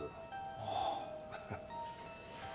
ああ。